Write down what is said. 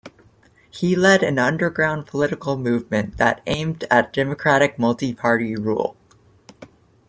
He led an underground political movement that aimed at democratic multi-party rule.